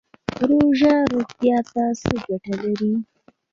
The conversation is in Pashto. روژه روغتیا ته څه ګټه لري؟